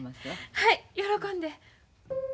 はい喜んで。